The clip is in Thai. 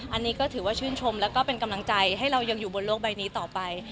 อันนี้ก็ถือว่าชื่นชมแล้วก็เป็นกำลังใจให้เรายังอยู่บนโลกใบนี้ต่อไป